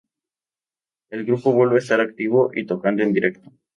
El grupo vuelve a estar en activo y tocando en directo.